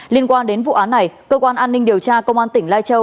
liên quan đến vụ án này cơ quan an ninh điều tra công an tỉnh lai châu